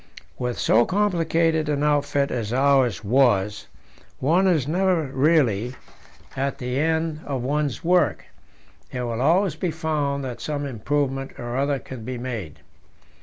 With so complicated an outfit as ours was, one is never really at the end of one's work; it will always be found that some improvement or other can be made.